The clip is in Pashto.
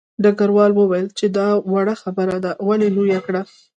ډګروال وویل چې دا وړه خبره دې ولې لویه کړه